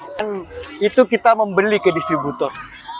dan itu kita membeli ke distributor